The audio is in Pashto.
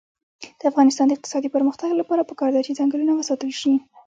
د افغانستان د اقتصادي پرمختګ لپاره پکار ده چې ځنګلونه وساتل شي.